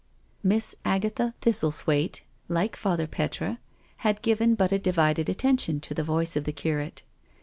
Miss Agatha Thistlethwaite, like Father Petre, had given but a divided attention to the voice of the curate.